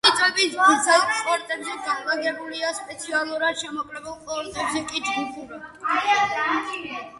წიწვები გრძელ ყლორტებზე განლაგებულია სპირალურად, შემოკლებულ ყლორტებზე კი ჯგუფურად.